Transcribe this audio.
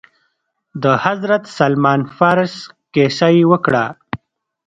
د حضرت سلمان فارس كيسه يې وكړه.